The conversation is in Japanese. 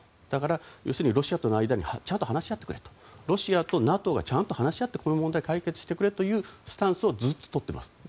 だから、ロシアとの間でちゃんと話し合ってくれとちゃんと話し合ってこの問題を解決してくれというスタンスをずっととっています。